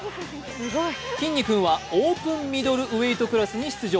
きんに君はオープンミドルウェイトクラスに出場。